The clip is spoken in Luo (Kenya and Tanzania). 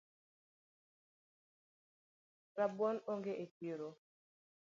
Rabuon onge echiro